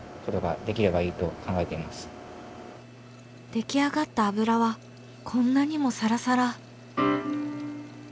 出来上がった油はこんなにもサラサラ。